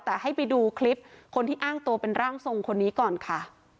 แต่ให้ไปดูคลิปคนที่อ้างตัวเป็นร่างทรงคนนี้ก่อนค่ะ